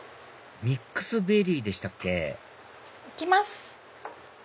ミックスベリーでしたっけ行きます！